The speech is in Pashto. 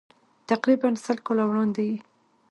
تقریباً سل کاله وړاندې یې.